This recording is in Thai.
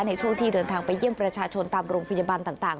ในช่วงที่เดินทางไปเยี่ยมประชาชนตามโรงพยาบาลต่าง